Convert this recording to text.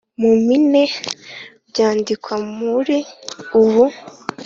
mu mpine byandikwa muri ubu .